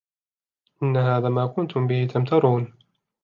إن هذا ما كنتم به تمترون